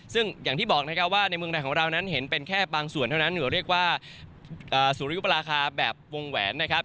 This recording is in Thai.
ซึ่งอย่างที่บอกนะครับว่าในเมืองไทยของเรานั้นเห็นเป็นแค่บางส่วนเท่านั้นก็เรียกว่าสุริยุปราคาแบบวงแหวนนะครับ